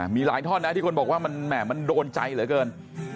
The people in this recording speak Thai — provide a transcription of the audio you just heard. มีหลายท่อนที่คนบอกว่ามันโดนใจเหลือเกิน